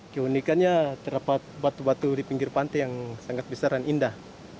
keunikannya terdapat batu batu di pinggir pantai yang sangat besar dan indah